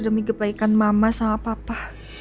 demi kebaikan mama sama papa